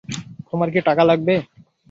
তোমার কি টাকা লাগবে?